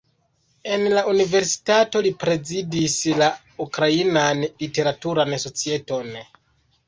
En la universitato li prezidis la Ukrainan literaturan societon.